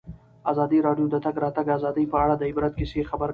ازادي راډیو د د تګ راتګ ازادي په اړه د عبرت کیسې خبر کړي.